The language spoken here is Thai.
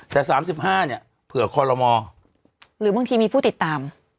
แต่๓๕เนี่ยเผื่อคอลโลมอหรือบางทีมีผู้ติดตาม